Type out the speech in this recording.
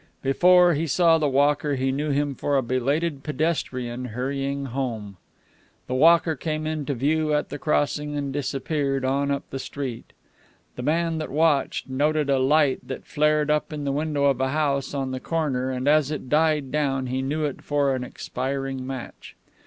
Before he saw the walker, he knew him for a belated pedestrian hurrying home. The walker came into view at the crossing and disappeared on up the street. The man that watched, noted a light that flared up in the window of a house on the corner, and as it died down he knew it for an expiring match.